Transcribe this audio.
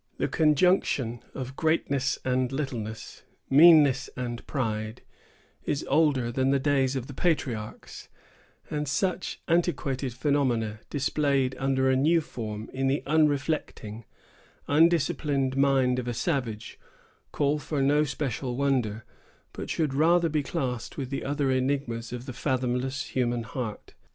The conjunction of greatness and littleness, meanness and pride, is older than the days of the patriarchs; and such antiquated phenomena, displayed under a new form in the unreflecting, undisciplined mind of a savage, call for no special wonder, but should rather be classed with the other enigmas of the fathomless human heart.